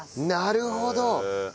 なるほど！